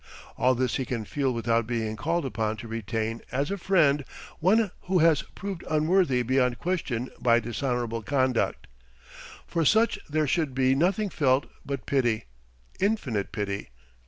All this he can feel without being called upon to retain as a friend one who has proved unworthy beyond question by dishonorable conduct. For such there should be nothing felt but pity, infinite pity.